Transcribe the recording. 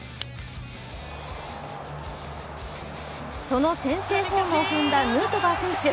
その先制ホームを踏んだヌートバー選手。